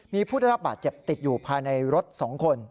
มีผู้ได้รับบาดเจ็บติดอยู่ภายในรถ๒คน